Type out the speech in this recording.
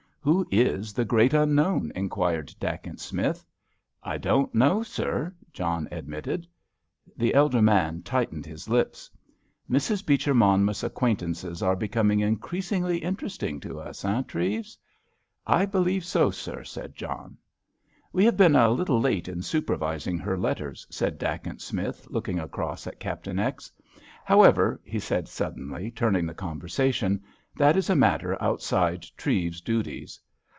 "Who is the great unknown?" inquired Dacent Smith. "I don't know, sir," John admitted. The elder man tightened his lips. "Mrs. Beecher Monmouth's acquaintances are becoming increasingly interesting to us, eh, Treves?" "I believe so, sir," said John. "We have been a little late in supervising her letters," said Dacent Smith, looking across at Captain X. "However," he said suddenly, turning the conversation, "that is a matter outside Treves's duties.